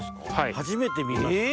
初めて見ました。